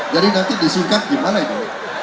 jadi nanti disingkat gimana itu